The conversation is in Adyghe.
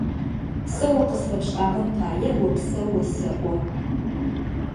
Сэ о къысфэпшӏагъэм пае опсэу осэӏо.